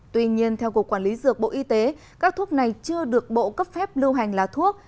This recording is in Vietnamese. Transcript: tuy nhiên theo cục quản lý dược bộ y tế các thuốc này chưa được bộ cấp phép lưu hành là thuốc